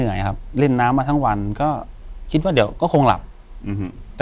กุมารพายคือเหมือนกับว่าเขาจะมีอิทธิฤทธิ์ที่เยอะกว่ากุมารทองธรรมดา